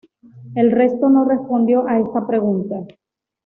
El resto no respondió a esta pregunta.